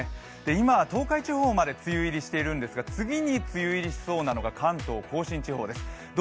今、東海地方まで梅雨入りしているんですが、次に梅雨入りしそうなのが関東・甲信地方です。